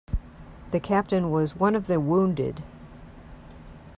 The captain was one of the wounded.